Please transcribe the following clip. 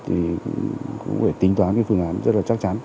thì cũng phải tính toán cái phương án rất là chắc chắn